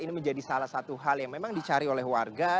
ini menjadi salah satu hal yang memang dicari oleh warga